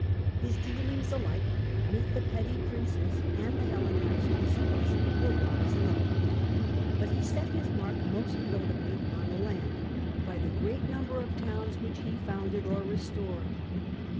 Ilis dealings alike with the petty princes and the Hellenized cities were wise and upright. But he set his mark most notably on the land by the great number of towns wlxich he founded or restored.